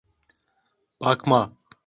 Bakma.